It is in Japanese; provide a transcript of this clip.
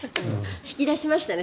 引き出しましたね